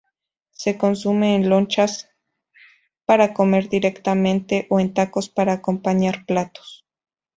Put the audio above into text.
Se consume en lonchas para comer directamente o en tacos para acompañar platos.